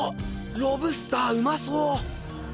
ロブスターうまそ！